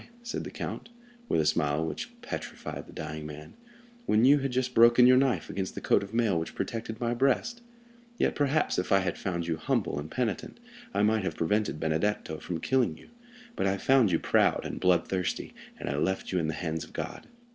said the count, with a smile which petrified the dying man, "when you had just broken your knife against the coat of mail which protected my breast! Yet perhaps if I had found you humble and penitent, I might have prevented Benedetto from killing you; but I found you proud and blood thirsty, and I left you in the hands of God."